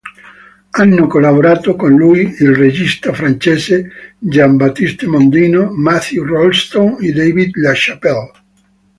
Hanno collaborato con lui il regista francese Jean Baptiste Mondino, Matthew Rolston, David LaChapelle.